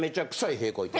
屁こいて。